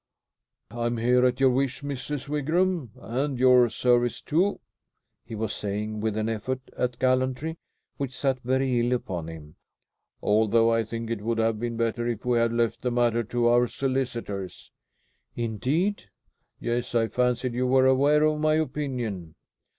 "I am here at your wish, Mrs. Wigram, and your service, too," he was saying, with an effort at gallantry which sat very ill upon him, "although I think it would have been better if we had left the matter to our solicitors." "Indeed." "Yes. I fancied you were aware of my opinion."